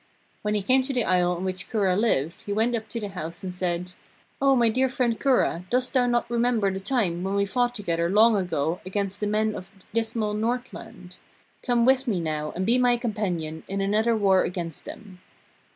When he came to the isle on which Kura lived, he went up to the house and said: 'O my dear friend Kura, dost thou not remember the time when we fought together long ago against the men of dismal Northland? Come with me now and be my companion in another war against them.'